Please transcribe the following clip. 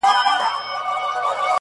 اورګان له غره راځي.